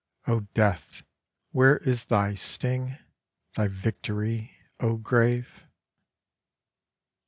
O Death, where is thy sting? Thy victory, O Grave?